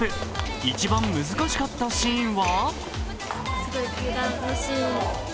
一番難しかったシーンは。